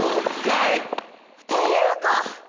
っていうか